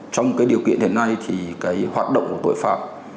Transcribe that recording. trong điều kiện hiện nay thì hoạt động của tội phạm